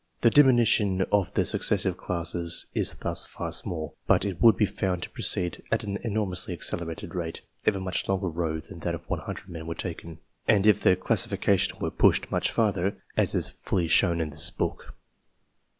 The diminution of the successive classes is thus far small, but it would be found to proceed at an enormously accelerated rate if a much longer row than that of 100 men were taken, and if the classification were pushed much further, as is fully shown in this book.